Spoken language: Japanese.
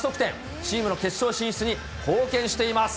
チームの決勝進出に貢献しています。